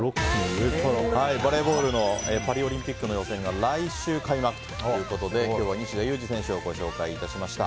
バレーボールのパリオリンピックの予選が来週開幕ということで今日は西田有志選手をご紹介いたしました。